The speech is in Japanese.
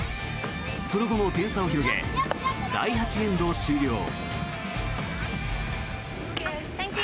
その後も点差を広げ第８エンド終了。